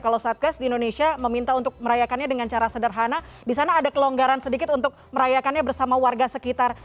kalau satgas di indonesia meminta untuk merayakannya dengan cara sederhana di sana ada kelonggaran sedikit untuk merayakannya bersama warga sekitar